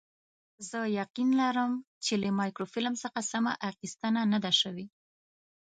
زه یقین لرم چې له مایکروفیلم څخه سمه اخیستنه نه ده شوې.